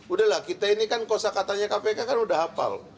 udahlah kita ini kan kosa katanya kpk kan udah hafal